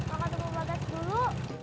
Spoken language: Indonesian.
aku mau ke tempat bagas dulu